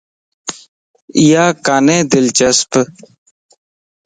ايا ڪاني دلچسپ